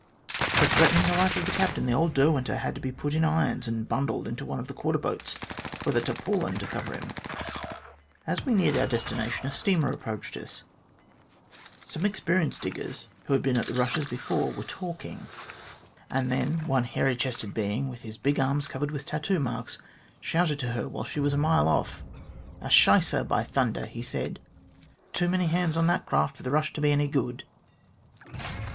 For threatening the life of the captain, the old Derwenter had to be put in irons and bundled into one of the quarter boats, with a tarpaulin to cover him. As we neared our destination a steamer approached us. Some experienced diggers, who had been at rushes before, were talking, and then * An ex convict from Van Diemen's Land. I 130 THE GLADSTONE COLONY one hairy chested being, with his big arms covered with tattoo marks, shouted to her while she was still a mile off : 'A shicer, by thunder !' he said ;* too many hands on that craft for the rush to be any good.'